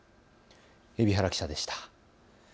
海老原記者でした。